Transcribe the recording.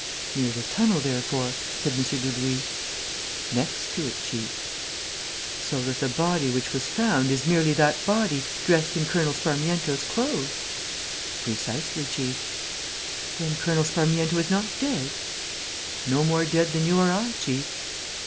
"Near the tunnel, therefore," said M. Dudouis. "Next to it, chief." "So that the body which was found is merely that body, dressed in Colonel Sparmiento's clothes." "Precisely, chief." "Then Colonel Sparmiento is not dead?" "No more dead than you or I, chief."